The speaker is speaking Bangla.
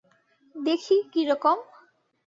দেখি, কী রকম?